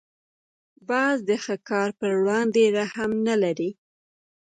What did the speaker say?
باز د ښکار پر وړاندې رحم نه لري